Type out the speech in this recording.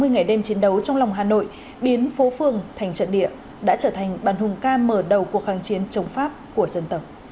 sáu mươi ngày đêm chiến đấu trong lòng hà nội biến phố phường thành trận địa đã trở thành bàn hùng ca mở đầu cuộc kháng chiến chống pháp của dân tộc